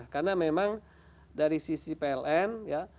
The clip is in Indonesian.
karena memang dari sisi pln